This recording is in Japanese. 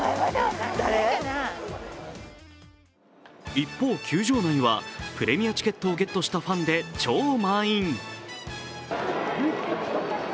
一方、球場内はプレミアチケットをゲットしたファンで超満員。